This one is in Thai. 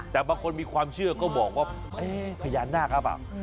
แต่บางคนมีความเชื่อก็บอกว่าพญานาคหรือเปล่า